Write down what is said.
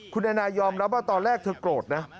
คุณแอนนายยอมรับว่าตอนแรกเธอโกรธนะ